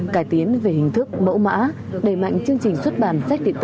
cải tiến về hình thức mẫu mã đề mạnh chương trình xuất bản